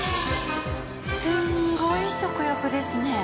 すごい食欲ですね。